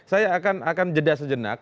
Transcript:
saya akan jeda sejenak